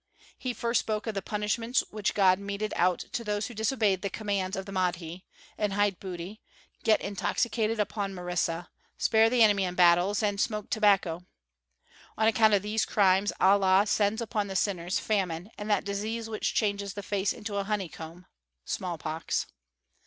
He first spoke of the punishments which God meted out to those who disobey the commands of the Mahdi, and hide booty, get intoxicated upon merissa, spare the enemy in battles, and smoke tobacco. On account of these crimes Allah sends upon the sinners famine and that disease which changes the face into a honey comb (small pox).